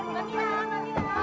yuk cepetan yuk